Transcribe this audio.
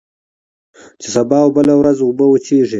چي سبا او بله ورځ اوبه وچیږي